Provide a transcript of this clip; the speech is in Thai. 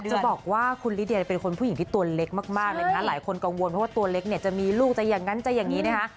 จะบอกว่าคุณลิเดียเป็นคนผู้หญิงที่ตัวเล็กมากเลยนะคะหลายคนกังวลเพราะว่าตัวเล็กเนี่ยจะมีลูกจะอย่างนั้นจะอย่างนี้นะคะ